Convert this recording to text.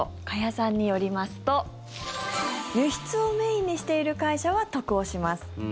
加谷さんによりますと輸出をメインにしている会社は得をします。